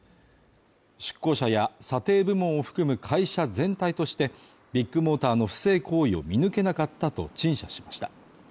出向者や査定部門を含む会社全体としてビッグモーターの不正行為を見抜けなかったと陳謝しました